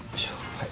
はい。